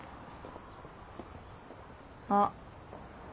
あっ。